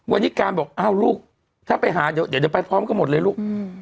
วันนี้การบอกอ้าวลูกถ้าไปหาเดี๋ยวไปพร้อมกันหมดเลยลูก